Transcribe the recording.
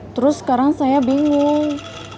terus sekarang saya bingung